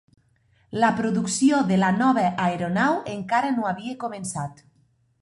La producció de la nova aeronau encara no havia començat.